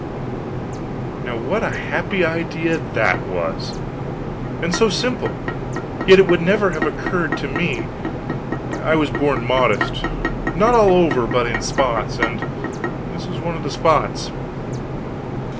Now what a happy idea that was! and so simple; yet it would never have occurred to me. I was born modest; not all over, but in spots; and this was one of the spots.